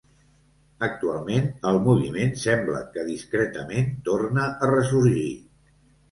Actualment, el moviment, sembla que, discretament, torna a ressorgir.